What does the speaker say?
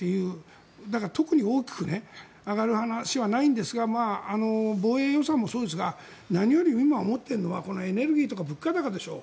だから特に大きく上がる話はないんですが防衛予算もそうですが何より今思っているのはエネルギーとか物価高でしょう。